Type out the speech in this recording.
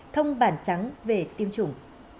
thông bản trắng về tiêm chủng